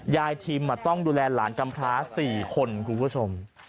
ยายทีมต้องดูแลหลานกรรมคลา๔คนคุณผู้ชม